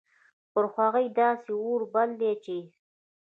پر هغو داسي اور بل ده چې